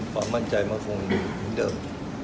ความมั่นใจจะมีเดิม